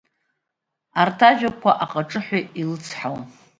Арҭ ажәақәа аҟыҿыҳәа илыцҳауан.